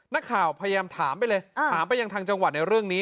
นักข่าวพยายามถามไปเลยถามไปยังทางจังหวัดในเรื่องนี้